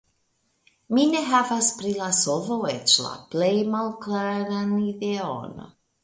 Mi ne havas pri la solvo eĉ la plej malklaran ideon.